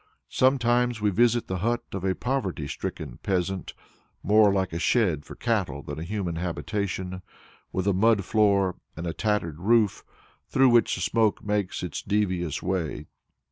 Sometimes we visit the hut of the poverty stricken peasant, more like a shed for cattle than a human habitation, with a mud floor and a tattered roof, through which the smoke makes its devious way.